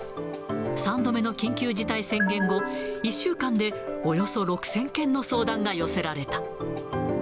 ３度目の緊急事態宣言後、１週間でおよそ６０００件の相談が寄せられた。